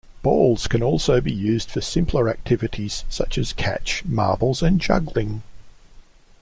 Balls can also be used for simpler activities, such as catch, marbles and juggling.